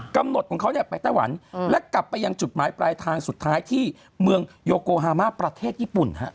ของเขาเนี่ยไปไต้หวันและกลับไปยังจุดหมายปลายทางสุดท้ายที่เมืองโยโกฮามาประเทศญี่ปุ่นฮะ